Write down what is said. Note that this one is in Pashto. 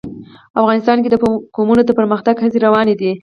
افغانستان کې د قومونه د پرمختګ هڅې روانې دي.